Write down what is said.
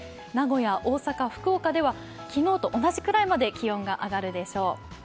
名古屋、大阪、福岡では昨日と同じくらいまで気温が上がるでしょう。